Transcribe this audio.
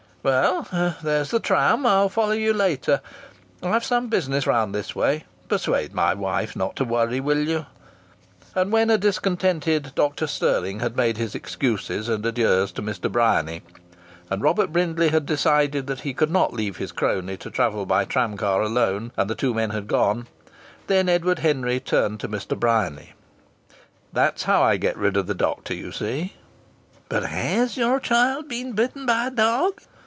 "Well, there's the tram. I'll follow you later. I've some business round this way. Persuade my wife not to worry, will you?" And when a discontented Dr. Stirling had made his excuses and adieux to Mr. Bryany, and Robert Brindley had decided that he could not leave his crony to travel by tram car alone, and the two men had gone, then Edward Henry turned to Mr. Bryany. "That's how I get rid of the doctor, you see!" "But has your child been bitten by a dog?"